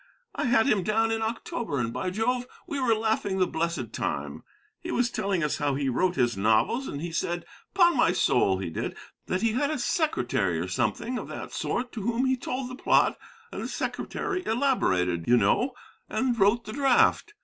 I had him down in October, and, by Jove, we were laughing the blessed time. He was telling us how he wrote his novels, and he said, 'pon my soul he did, that he had a secretary or something of that sort to whom he told the plot, and the secretary elaborated, you know, and wrote the draft.